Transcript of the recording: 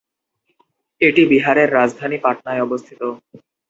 এটি বিহারের রাজধানী পাটনায় অবস্থিত।